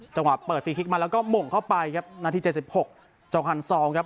จังหวะเปิดฟรีคลิกมาแล้วก็หม่งเข้าไปครับนาทีเจ็ดสิบหกจองพันธ์ซองครับ